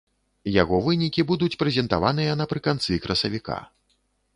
Яго вынікі будуць прэзентаваныя напрыканцы красавіка.